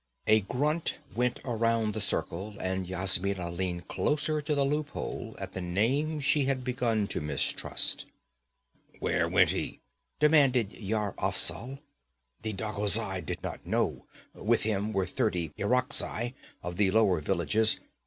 A grunt went around the circle, and Yasmina leaned closer to the loop hole at the name she had begun to mistrust. 'Where went he?' demanded Yar Afzal. 'The Dagozai did not know; with him were thirty Irakzai of the lower villages.